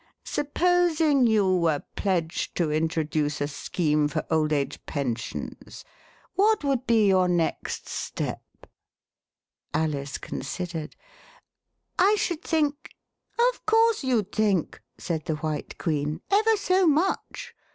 Supposing you were pledged to introduce a scheme for Old Age Pensions, what would be your next step ?" Alice considered. I should think " Of course you'd think," said the White Queen, ever so much.